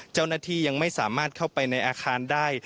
เจ้าหน้าที่ยังไม่สามารถเข้าไปในอาคารได้